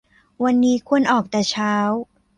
วันนี้ควรออกแต่เช้า